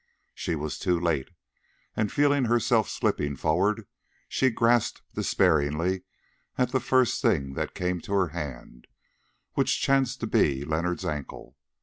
She was too late, and feeling herself slipping forward, she grasped despairingly at the first thing that came to her hand, which chanced to be Leonard's ankle.